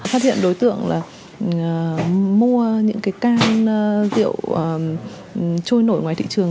phát hiện đối tượng là mua những can rượu trôi nổi ngoài thị trường